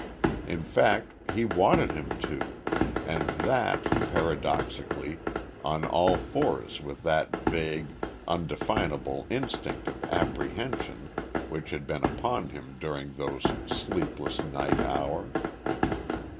In fact he wanted him to, and that, paradoxically, on all fours with that vague, undefinable instinct of apprehension which had been upon him during those sleepless night hours.